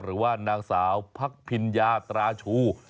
หรือว่านางสาวพักพิญญาตราชู